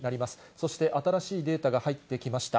そして新しいデータが入ってきました。